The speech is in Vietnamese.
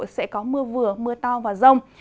sẽ có mưa vừa mưa to và rông